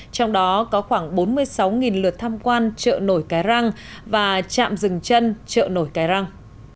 trong đó có khoảng bốn mươi sáu lượt tham quan chợ nổi cái răng và trạm rừng chân chợ nổi cái răng